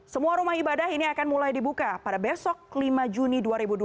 semua rumah ibadah ini akan mulai dibuka pada besok lima juni dua ribu dua puluh